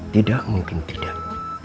tidak mungkin tidak